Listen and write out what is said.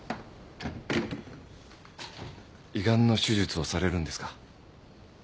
胃ガンの手術をされるんですか？